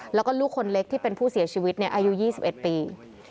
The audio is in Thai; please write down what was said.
แล้วก็ลูกคนเล็กที่เป็นผู้เสียชีวิตอายุ๒๑ปี